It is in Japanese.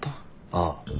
ああ。